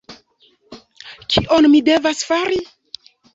Kion mi devas fari?